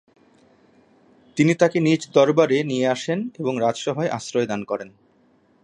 তিনি তাকে নিজ দরবারে নিয়ে আসেন এবং রাজসভায় আশ্রয় দান করেন।